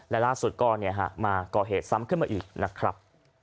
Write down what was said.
และล่าสุดก็มาก่อเหตุซ้ำขึ้นมาอีกนะครับ